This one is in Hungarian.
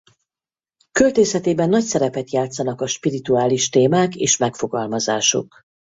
Költészetében nagy szerepet játszanak a spirituális témák és megfogalmazások.